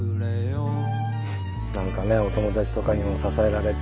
何かねお友達とかにも支えられて。